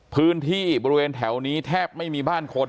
พื้นที่บริเวณแถวนี้แทบไม่มีบ้านคน